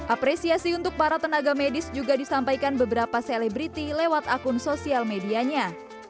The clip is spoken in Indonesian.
apresiasi untuk para tenaga medis juga disampaikan beberapa selebriti lewat akun sosial medianya